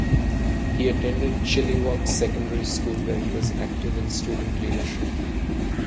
He attended Chilliwack Secondary School, where he was active in student leadership.